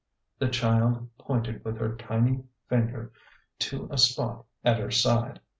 The child pointed with her tiny finger to a spot at her side.